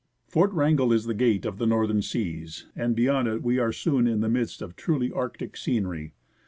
Fort Wrangel is the gate of the northern seas, and beyond it we are soon in the midst of truly Arctic scenery.